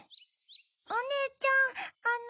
おねえちゃんあの。